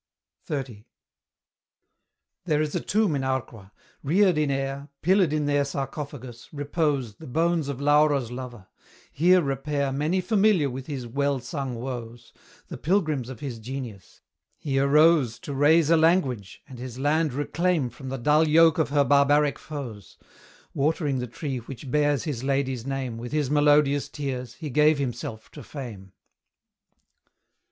XXX. There is a tomb in Arqua; reared in air, Pillared in their sarcophagus, repose The bones of Laura's lover: here repair Many familiar with his well sung woes, The pilgrims of his genius. He arose To raise a language, and his land reclaim From the dull yoke of her barbaric foes: Watering the tree which bears his lady's name With his melodious tears, he gave himself to fame.